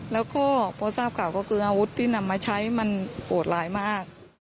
แล้วก็พอทราบข่าวก็คืออาวุธที่นำมาใช้มันโหดร้ายมาก